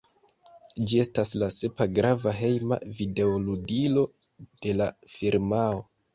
Ĝi estas la sepa grava hejma videoludilo de la firmao.